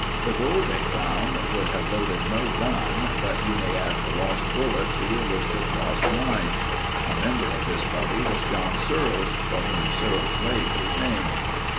The gold they found would have loaded no gun, but you may add the Lost Bullet to your list of lost mines. A member of this party was John Searles, for whom Searles' Lake is named.